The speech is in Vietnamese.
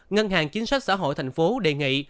ngân hàng chính sách xã hội thành phố đề nghị